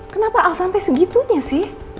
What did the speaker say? kenapa sampai segitunya sih